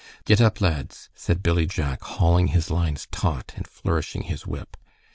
"Git ep, lads," said Billy Jack, hauling his lines taut and flourishing his whip.